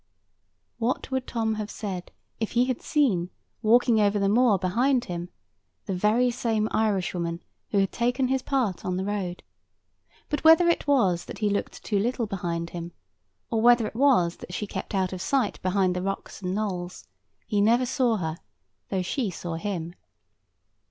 What would Tom have said if he had seen, walking over the moor behind him, the very same Irishwoman who had taken his part upon the road? But whether it was that he looked too little behind him, or whether it was that she kept out of sight behind the rocks and knolls, he never saw her, though she saw him.